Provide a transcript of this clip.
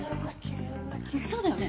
そうだよね。